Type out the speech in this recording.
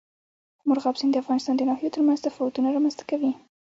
مورغاب سیند د افغانستان د ناحیو ترمنځ تفاوتونه رامنځ ته کوي.